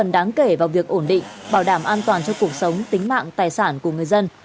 để vào việc ổn định bảo đảm an toàn cho cuộc sống tính mạng tài sản của người dân